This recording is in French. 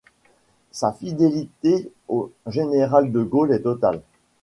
Sa fidélité au Général de Gaulle est totale.